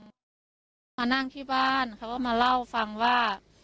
ไปไปบอกว่าเจ้าเข้ามานั่งที่บ้านเขาก็มาเล่าฟังว่า